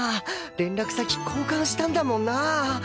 連絡先交換したんだもんな